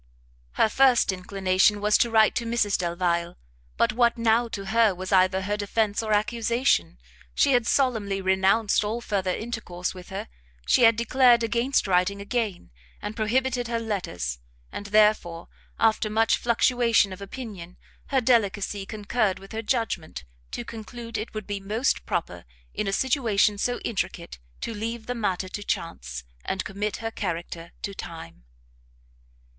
Her first inclination was to write to Mrs Delvile, but what now, to her, was either her defence or accusation? She had solemnly renounced all further intercourse with her, she had declared against writing again, and prohibited her letters: and, therefore, after much fluctuation of opinion, her delicacy concurred with her judgment, to conclude it would be most proper, in a situation so intricate, to leave the matter to chance, and commit her character to time.